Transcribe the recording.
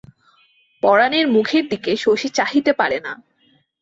পরাণের মুখের দিকে শশী চাহিতে পারে না!